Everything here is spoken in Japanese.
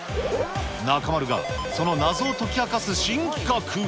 中丸がその謎を解き明かす新企画。